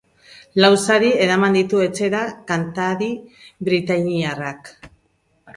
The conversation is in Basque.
Lau sari eraman ditu etxera kantari britainiarrak.